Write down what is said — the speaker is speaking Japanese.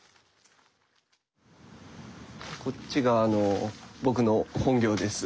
こっちが僕の本業です。